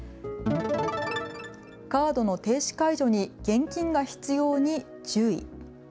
カードの停止解除に現金が必要に注意。